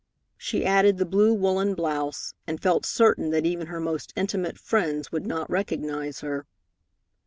She added the blue woollen blouse, and felt certain that even her most intimate friends would not recognize her.